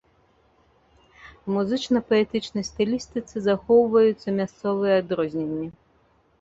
У музычна-паэтычнай стылістыцы захоўваюцца мясцовыя адрозненні.